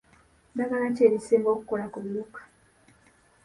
Ddagala ki erisinga okukola ku biwuka.